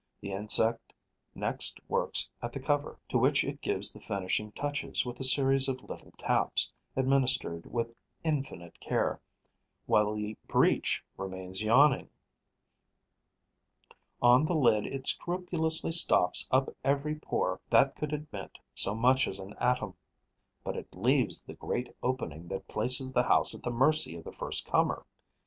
The insect next works at the cover, to which it gives the finishing touches with a series of little taps, administered with infinite care, while the breach remains yawning. On the lid, it scrupulously stops up every pore that could admit so much as an atom; but it leaves the great opening that places the house at the mercy of the first comer.